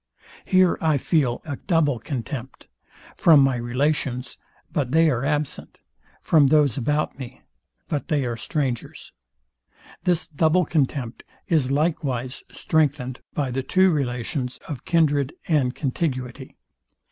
Here I feel a double contempt; from my relations, but they are absent; from those about me, but they are strangers. This double contempt is likewise strengthened by the two relations of kindred and contiguity.